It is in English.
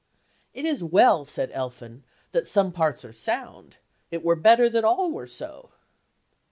"It is well," said Elphin, "that some parts are sound: it were better that all were so."